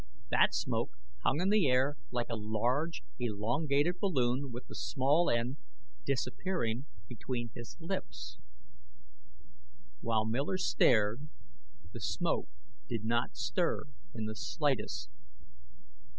That smoke hung in the air like a large, elongated balloon with the small end disappearing between his lips. While Miller stared, the smoke did not stir in the slightest.